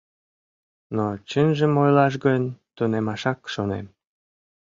Но чынжым ойлаш гын, тунемашак шонем.